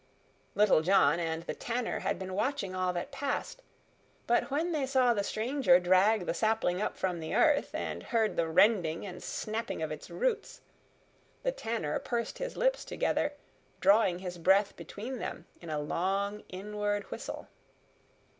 Little John and the Tanner had been watching all that passed, but when they saw the stranger drag the sapling up from the earth, and heard the rending and snapping of its roots, the Tanner pursed his lips together, drawing his breath between them in a long inward whistle.